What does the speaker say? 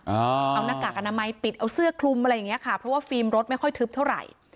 เอาหน้ากากอนามัยปิดเอาเสื้อคลุมอะไรอย่างเงี้ค่ะเพราะว่าฟิล์มรถไม่ค่อยทึบเท่าไหร่